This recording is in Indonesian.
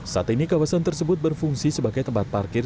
saat ini kawasan tersebut berfungsi sebagai tempat parkir